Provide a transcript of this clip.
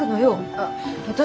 あっ私